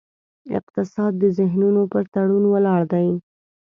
اقتصاد د ذهنونو پر تړون ولاړ دی.